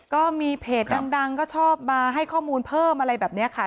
ก็มีเพจดังก็ชอบมาให้ข้อมูลเพิ่มอะไรแบบนี้ค่ะ